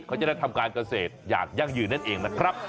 เขาจะได้ทำการเกษตรอย่างยั่งยืนนั่นเองนะครับ